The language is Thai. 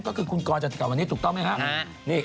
ก็คือคุณกรจะกลับวันนี้ถูกต้องไหมครับ